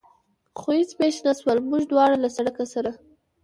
خو هېڅ پېښ نه شول، موږ دواړه له سړک سره.